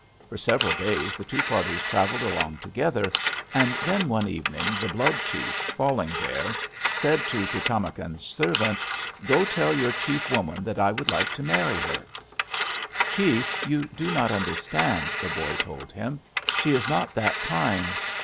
For several days the two parties traveled along together, and then one evening the Blood chief, Falling Bear, said to Pi´tamakan's servant: 'Go tell your chief woman that I would like to marry her.' "'Chief, you do not understand,' the boy told him. 'She is not that kind.